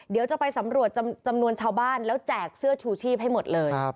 เดี๋ยวจะไปสำรวจจำนวนชาวบ้านแล้วแจกเสื้อชูชีพให้หมดเลย